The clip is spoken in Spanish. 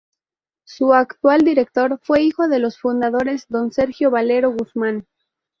Su actual Director fue hijo de los fundadores, Don Sergio Valero Guzmán.